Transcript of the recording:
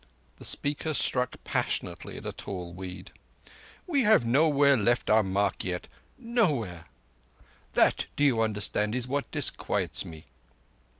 The speaker struck passionately at a tall weed. "We have nowhere left our mark yet. Nowhere! That, do you understand, is what disquiets me."